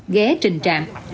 ghé trình trạm